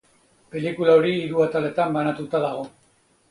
Pelikula hiru ataletan banatuta dago.